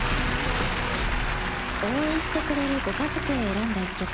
応援してくれるご家族へ選んだ一曲。